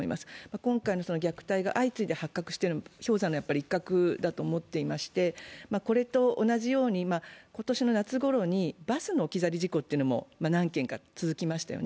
今回の虐待が相次いで発覚しているのは氷山の一角だと思ってましてこれと同じように今年の夏ごろにバスの置き去り事故も何件が続きましたよね。